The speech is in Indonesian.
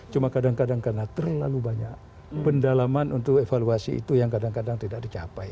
cuma kadang kadang karena terlalu banyak pendalaman untuk evaluasi itu yang kadang kadang tidak dicapai